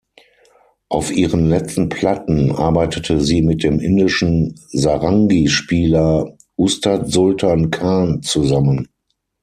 Auf ihren letzten Platten arbeitete sie mit dem indischen Sarangi-Spieler Ustad Sultan Khan zusammen.